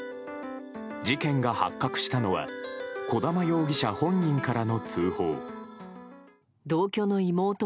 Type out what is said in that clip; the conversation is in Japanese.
事件が発覚したのは小玉容疑者本人からの通報。